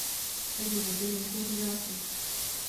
Mezi zuby nejsou řezáky.